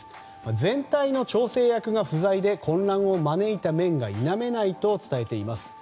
全体の調整役が不在で混乱を招いたことが否めないと伝えています。